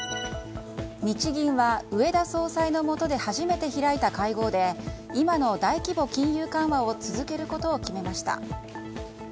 日銀は植田総裁のもとで初めて開いた会合で今の大規模金融緩和を続けることを決めました。